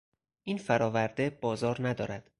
این فراورده بازار ندارد.